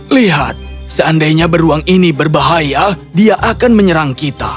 lihat seandainya beruang ini berbahaya dia akan menyerang kita